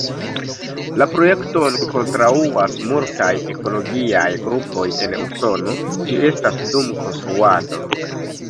La projekton kontraŭas multaj ekologiaj grupoj en Usono, ĝi estas dum konstruado.